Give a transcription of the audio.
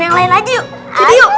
yang lain aja yuk ayo